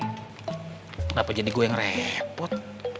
kenapa jadi gue yang repot